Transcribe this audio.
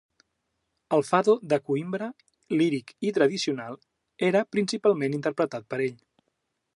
El fado de Coïmbra, líric i tradicional, era principalment interpretat per ell.